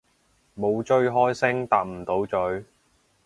冇追開星搭唔到咀